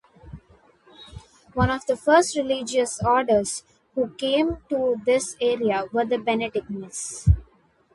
One of the first religious orders who came to this area were the Benedictines.